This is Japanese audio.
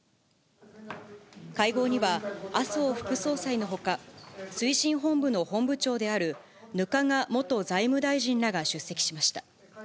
会合には、麻生副総裁のほか、推進本部の本部長である額賀元財務大臣らが出席しました。